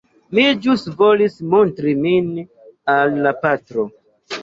Mi ĵus volis montri min al la patro.